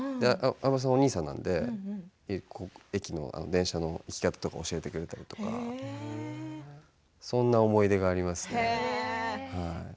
相葉さんはお兄さんなので駅の電車の教えてくれたりとかそんな思い出がありますね。